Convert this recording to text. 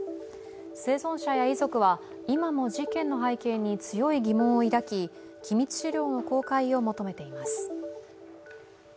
生存者や遺族は、今も事件の背景に強い疑問を抱き機密資料の公開を求めています。